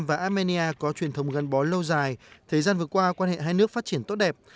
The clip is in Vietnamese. và armenia có truyền thống gắn bó lâu dài thời gian vừa qua quan hệ hai nước phát triển tốt đẹp